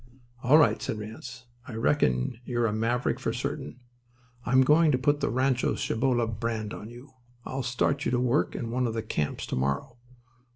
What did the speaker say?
"All right," said Ranse. "I reckon you're a maverick for certain. I'm going to put the Rancho Cibolo brand on you. I'll start you to work in one of the camps to morrow."